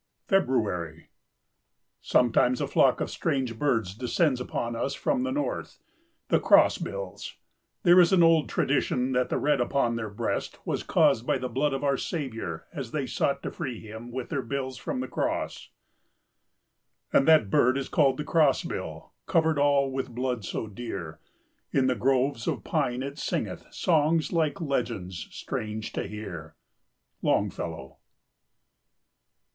February. Sometimes a flock of strange birds descends upon us from the north—the crossbills. There is an old tradition that the red upon their breast was caused by the blood of our Saviour, as they sought to free Him with their bills from the cross. "And that bird is called the Crossbill, Covered all with blood so dear, In the groves of pine it singeth Songs, like legends, strange to hear." —Longfellow.